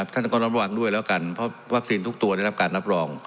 ท่านก็ระวังด้วยแล้วกันเพราะวัคซีนทุกตัวได้รับการรับรอง